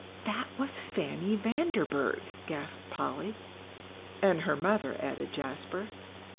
"That was Fanny Vanderburgh," gasped Polly. "And her mother," added Jasper.